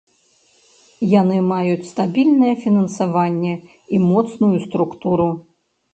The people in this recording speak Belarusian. Яны маюць стабільнае фінансаванне і моцную структуру.